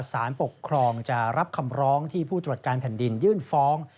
สารปกครองจะรับคำร้องที่ผู้ตรวจการแผ่นดินยื่นฟ้อง